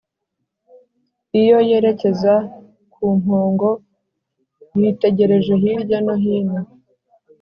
iyo yerekeza ku mpongo yitegereje hirya no hino